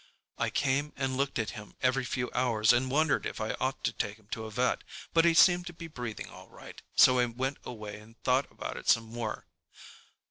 I came and looked at him every few hours and wondered if I ought to take him to a vet. But he seemed to be breathing all right, so I went away and thought about it some more.